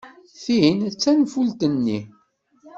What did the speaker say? Tin d tanfult-nni.